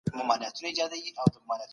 لومړی ډول شکر د انسولین تولید خرابوي.